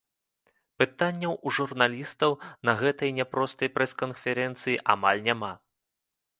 Пытанняў у журналістаў на гэтай няпростай прэс-канферэнцыі амаль няма.